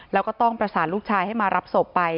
แล้วก็ต้องประสานลูกชายให้มารับศพไป